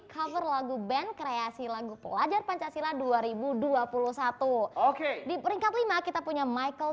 cover lagu band kreasi lagu pelajar pancasila dua ribu dua puluh satu oke di peringkat lima kita punya michael